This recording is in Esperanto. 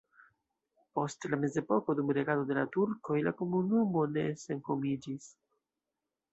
Post la mezepoko dum regado de la turkoj la komunumo ne senhomiĝis.